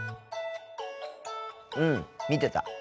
うん見てた。